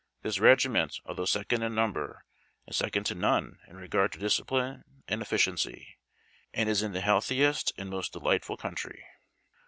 Tliis Regiment, although second in number, Is second to none in regard to discipline and efficiency, and is in the healthiest and most delightful country.